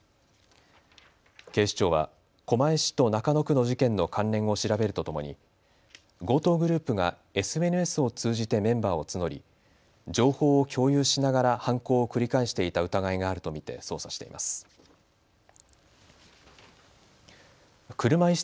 警視庁は狛江市と中野区の事件の関連を調べるとともに強盗グループがＳＮＳを通じてメンバーを募り、情報を共有しながら犯行を繰り返していた疑いがあると見て捜査しています。